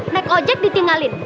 naik ojek ditinggalin